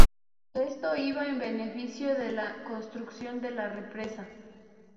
Esto iba en beneficio de la construcción de la represa.